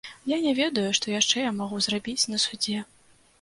Я не ведаю, што яшчэ я магу зрабіць на судзе.